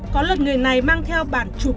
có lần người này mang theo bản chụp